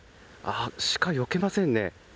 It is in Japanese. シカ、よけませんね。